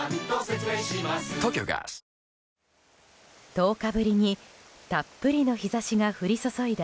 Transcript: １０日ぶりにたっぷりの日差しが降り注いだ